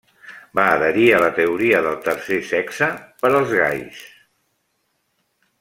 Va adherir a la teoria del tercer sexe per als gais.